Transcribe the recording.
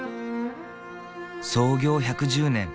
創業１１０年。